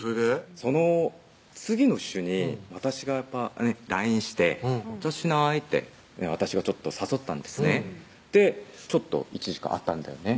その次の週に私がＬＩＮＥして「お茶しない？」って私がちょっと誘ったんですねでちょっと１時間会ったんだよね